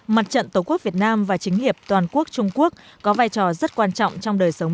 mặt trận tổ quốc việt nam và chính hiệp toàn quốc trung quốc có vai trò rất quan trọng trong đời sống